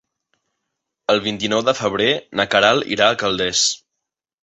El vint-i-nou de febrer na Queralt irà a Calders.